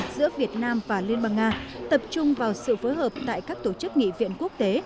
giữa việt nam và liên bang nga tập trung vào sự phối hợp tại các tổ chức nghị viện quốc tế